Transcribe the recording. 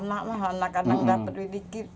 anak anak dapat sedikit